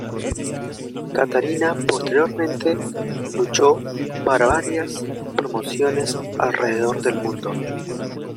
Katarina posteriormente luchó para varias promociones alrededor del mundo.